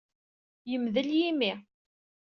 Yemdel yimi.